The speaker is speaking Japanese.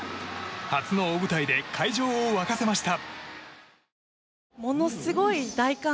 初の大舞台で会場を沸かせました。